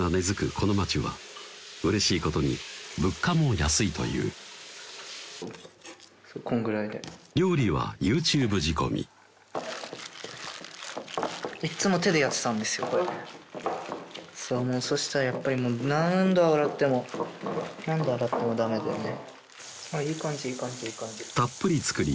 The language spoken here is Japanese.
この街はうれしいことに物価も安いという料理はＹｏｕＴｕｂｅ仕込みいっつも手でやってたんですよそしたらやっぱり何度洗っても何度洗ってもダメだよねあっいい感じいい感じいい感じたっぷり作り